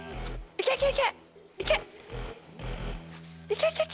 いけいけいけ！